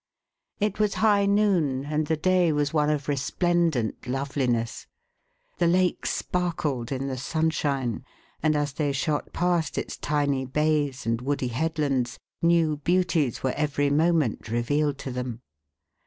It was high noon, and the day was one of resplendent loveliness. The lake sparkled in the sunshine, and as they shot past its tiny bays and woody headlands, new beauties were every moment revealed to them.